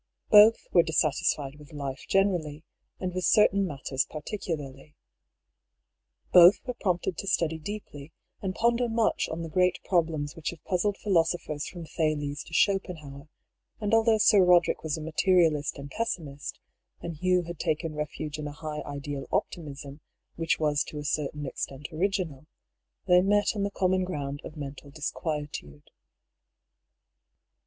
Both were dissatisfied with life generally, and with cer tain matters particularly. Both were prompted to study deeply, and ponder much on the great problems which have puzzled philosophers from Thales to Schopenhauer ; and although Sir Roderick was a materialist and pessi mist, and Hugh had taken refuge in a high ideal opti mism which was to a certain extent original, they met on the common ground of mental disquietude.